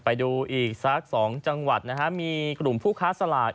ไปดูอีกสัก๒จังหวัดนะฮะมีกลุ่มผู้ค้าสลาก